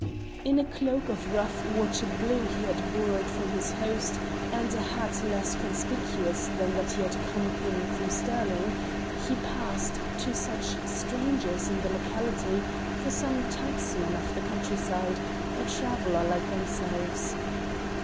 In a cloak of rough watchet blue he had borrowed from his host and a hat less conspicuous than that he had come in from Stirling, he passed, to such strangers in the locality, for some tacksman of the countryside, or a traveller like themselves.